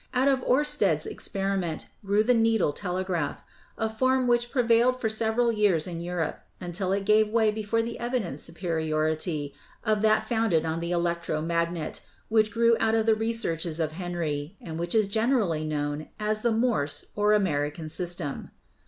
Out of Oersted's experiment grew the needle ELECTRO MAGNETIC TELEGRAPH 295 telegraph — a form which prevailed for several years in Europe, until it gave way before the evident superiority of that founded on the electro magnet, which grew out of the researches of Henry, and which is generally known as the Morse or American system.